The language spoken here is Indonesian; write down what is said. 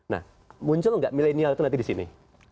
nah muncul nggak milenial itu nanti di sini